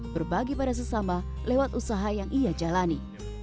berbagi pada sesama lewat usaha yang ia jalani